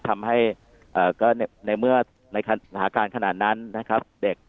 ทำให้ก็ในเมื่อในสถานการณ์ขนาดนั้นนะครับเด็ก